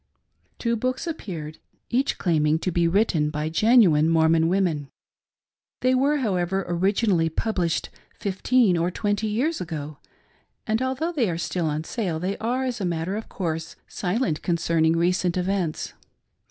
Two books appeared, each claiming to be written by genu Xll PREFAgB. ine Mormbn women. They were, however, originally pub lished fifteen or twenty years ago ; and although they are still on sale, they are, as a matter of course, silent concerning recent events.